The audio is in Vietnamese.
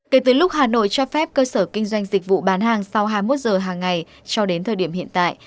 kể từ lúc hà nội cho phép cơ sở kinh doanh dịch vụ bán hàng sau hai mươi một giờ hàng ngày cho đến thời điểm hiện tại